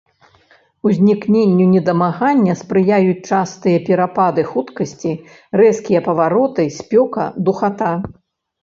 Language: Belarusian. Узнікненню недамагання спрыяюць частыя перапады хуткасці, рэзкія павароты, спёка, духата.